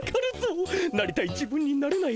なりたい自分になれない